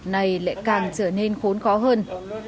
này lại càng trở nên khốn khó hơn